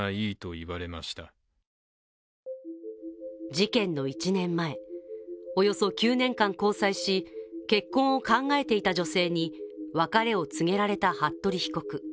事件の１年前、およそ９年間交際し、結婚を考えていた女性に別れを告げられた服部被告。